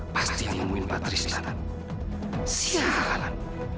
pasti yang membuat patristan sihat